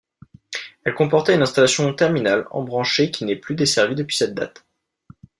Elle comportait une installation terminale embranchée qui n'est plus desservie depuis cette date.